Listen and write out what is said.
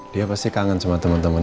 dia pasti kangen sama temen temen